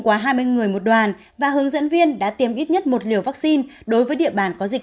quá hai mươi người một đoàn và hướng dẫn viên đã tiêm ít nhất một liều vaccine đối với địa bàn có dịch